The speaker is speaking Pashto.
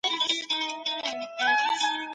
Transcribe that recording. هغه د عربو له نړۍ څخه لیدنه وکړه.